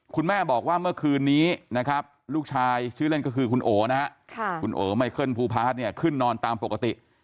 คุณแม่บอกว่าเมื่อคืนนี้ลูกชายชื่อเล่นก็คือคุณโอไมเคิลภูพาสขึ้นนอนตามปกติ